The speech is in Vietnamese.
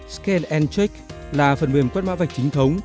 scan check là phần mềm quét mã vạch chính thống